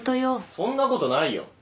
そんなことないよ。